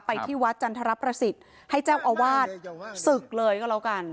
ที่วัดจันทรประสิทธิ์ให้เจ้าอาวาสศึกเลยก็แล้วกัน